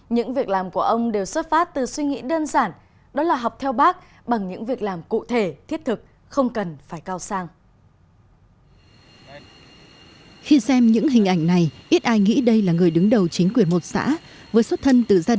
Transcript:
những việc làm của ông đều xuất phát từ suy nghĩ đơn giản đó là học theo bác bằng những việc làm cụ thể thiết thực không cần phải cao sang